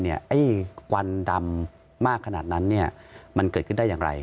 ไอ้ควันดำมากขนาดนั้นมันเกิดขึ้นได้อย่างไร